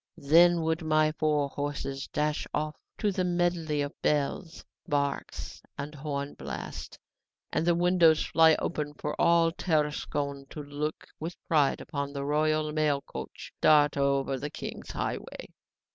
"Then would my four horses dash off to the medley of bells, barks, and horn blasts, and the windows fly open for all Tarascon to look with pride upon the royal mail coach dart over the king's highway.